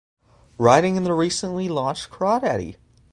Writing in the recently launched Crawdaddy!